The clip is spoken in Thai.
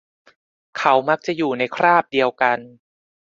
เขามักจะอยู่ในคราบเดียวกัน